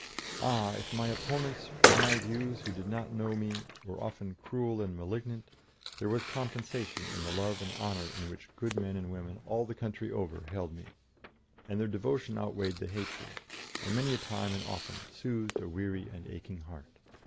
Ah! if opponents of my views who did not know me were often cruel and malignant, there was compensation in the love and honour in which good men and women all the country over held me, and their devotion outweighed the hatred, and many a time and often soothed a weary and aching heart.